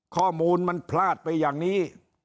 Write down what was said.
ข้อมูลมันพลาดไปอย่างนี้